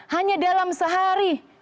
hanya dalam sehari